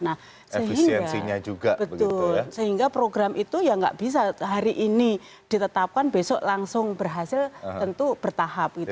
nah sehingga betul sehingga program itu ya nggak bisa hari ini ditetapkan besok langsung berhasil tentu bertahap gitu